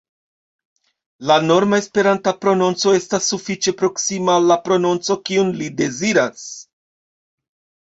La norma Esperanta prononco estas sufiĉe proksima al la prononco kiun li deziras.